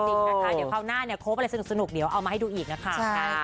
เดี๋ยวเข้าหน้าครบอะไรสนุกเดี๋ยวเอามาให้ดูอีกนะครับ